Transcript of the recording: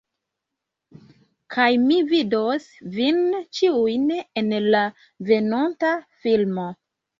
Kaj mi vidos vin ĉiujn en la venonta filmo